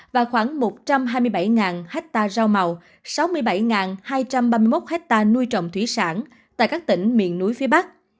và khoảng một trăm hai mươi bảy ha rau màu sáu mươi bảy hai trăm ba mươi một hectare nuôi trồng thủy sản tại các tỉnh miền núi phía bắc